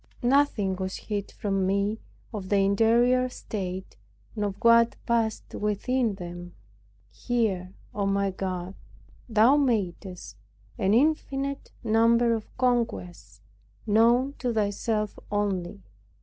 Nothing was hid from me of their interior state, and of what passed within them. Here, O my God, Thou madest an infinite number of conquests known to Thyself only.